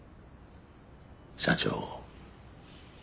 社長。